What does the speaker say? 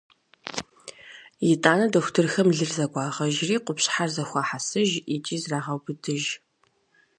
Итӏанэ дохутырхэм лыр зэгуагъэжри, къупщхьэр зэхуахьэсыж икӏи зрагъэубыдыж.